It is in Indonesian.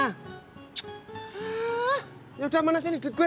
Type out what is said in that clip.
hah yaudah mana sih ini duit gue